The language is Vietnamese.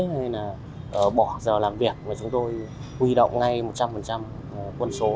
hay là bỏ giờ làm việc và chúng tôi huy động ngay một trăm linh quân số